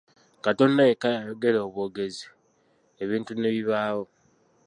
Katonda yekka ye ayogera obwogezi, ebintu ne bibaawo.